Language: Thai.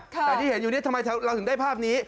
แต่ที่เห็นอยู่นี่ทำไมเราถึงได้ภาพนี้